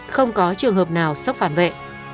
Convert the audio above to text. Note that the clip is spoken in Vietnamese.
không có trường hợp nào sốc phản vệ